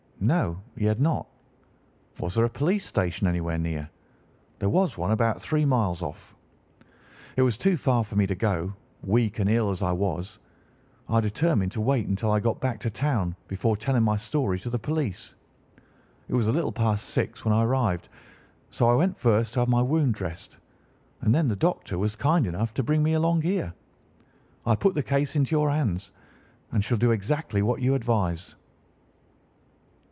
No, he had not. Was there a police station anywhere near? There was one about three miles off. "It was too far for me to go, weak and ill as I was. I determined to wait until I got back to town before telling my story to the police. It was a little past six when I arrived, so I went first to have my wound dressed, and then the doctor was kind enough to bring me along here. I put the case into your hands and shall do exactly what you advise."